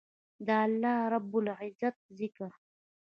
د الله رب العزت ذکر